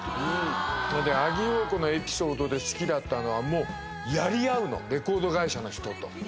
それで阿木燿子のエピソードで好きだったのはやり合うのレコード会社の人と。